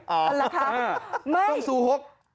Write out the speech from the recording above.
อ๋อเหรอครับไม่ต้องซูฮก